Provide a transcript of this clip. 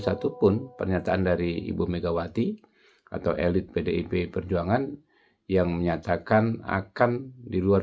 satupun pernyataan dari ibu megawati atau elit pdip perjuangan yang menyatakan akan di luar